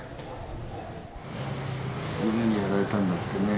犬にやられたんだってね。